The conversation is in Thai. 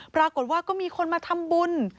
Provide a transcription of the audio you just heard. ปรากฏว่าก็มีคนมาทำบุญ